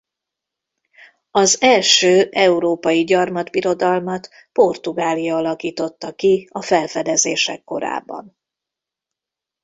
Az első európai gyarmatbirodalmat Portugália alakította ki a felfedezések korában.